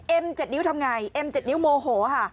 เอ็ม๗นิ้วทำอย่างไรเอ็ม๗นิ้วโมโหค่ะ